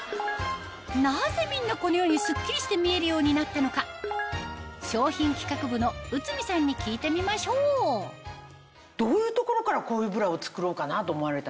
なぜみんなこのようにスッキリして見えるようになったのか商品企画部の内海さんに聞いてみましょうどういうところからこういうブラを作ろうかなと？